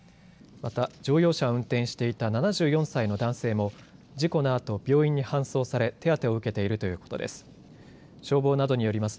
また、乗用車を運転していた７４歳の男性も事故のあと、病院に搬送され手当てを受けているということです。